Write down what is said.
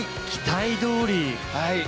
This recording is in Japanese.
期待どおり。